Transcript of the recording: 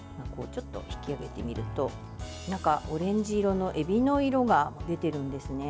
引き上げてみると中、オレンジ色のエビの色が出ているんですね。